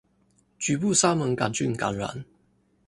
局部沙門桿菌感染